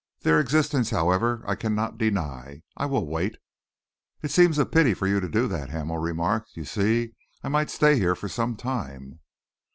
"Their existence, however, I cannot deny. I will wait." "It seems a pity for you to do that," Hamel remarked. "You see, I might stay here for some time."